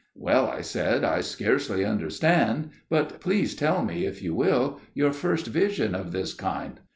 "Well," I said, "I scarcely understand. But please tell me, if you will, your first vision of that kind."